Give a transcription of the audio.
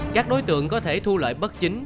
các đối tượng có thể thu lợi bất chính